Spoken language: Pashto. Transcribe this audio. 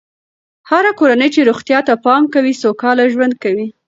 هره کورنۍ چې روغتیا ته پام کوي، سوکاله ژوند کوي.